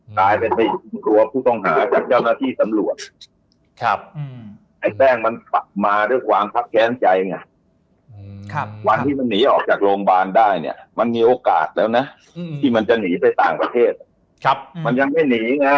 กลายเป็นไปชิงตัวผู้ต้องหาจากเจ้าหน้าที่สำรวจ